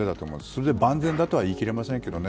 それで万全だとは言い切れませんけどね。